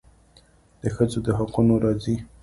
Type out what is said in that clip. د ښځو د حقونو راځي.